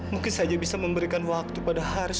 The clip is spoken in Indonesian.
mungkin saja bisa memberikan waktu pada haris